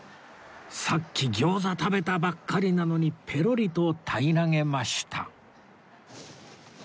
さっき餃子食べたばっかりなのにペロリと平らげました